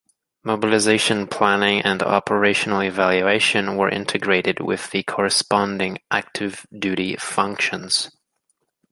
Mobilization planning and operational evaluation were integrated with the corresponding active duty functions.